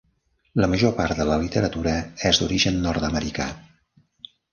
La major part de la literatura és d'origen nord-americà.